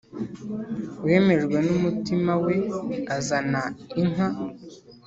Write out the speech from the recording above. wemejwe n umutima we azana inka